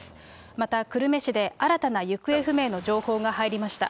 また久留米市で、新たな行方不明の情報が入りました。